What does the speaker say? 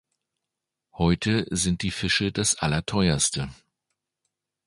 Heute sind die Fische das Allerteuerste.